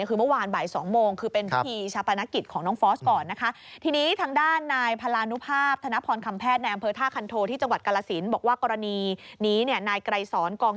คือเมื่อวานบ่าย๒โมง